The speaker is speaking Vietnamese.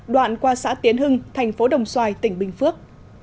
đoạn qua xã tiến hưng thành phố đồng xoài tỉnh bình phước